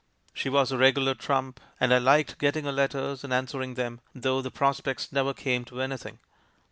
She was a regular trump, and I liked getting her letters and an swering them, though the prospects never came to anything.